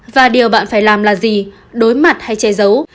và điều bạn phải làm là gì đối mặt hay che giấu